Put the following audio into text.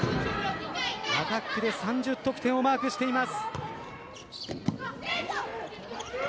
アタックで３０得点をマークしています。